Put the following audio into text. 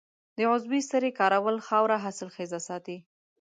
د عضوي سرې کارول خاوره حاصلخیزه ساتي.